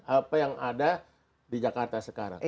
apa yang ada di jakarta sekarang